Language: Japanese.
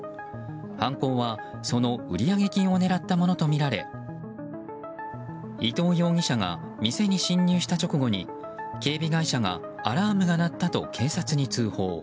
犯行はその売上金を狙ったものとみられ伊藤容疑者が店に侵入した直後に警備会社がアラームが鳴ったと警察に通報。